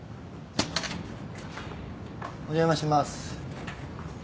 お邪魔します。